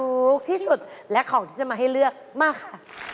ถูกที่สุดและของที่จะมาให้เลือกมากค่ะ